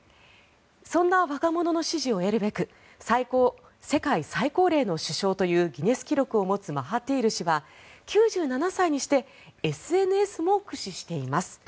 そんな若者の支持を得るべく世界最高齢の首相というギネス記録を持つマハティール氏は、９７歳にしてＳＮＳも駆使しています。